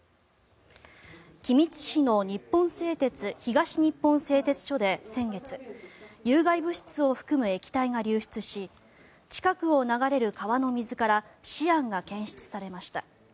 君津市の日本製鉄東日本製鉄所で先月有害物質を含む液体が流出し近くを流れる川の水からシアンが検出されました。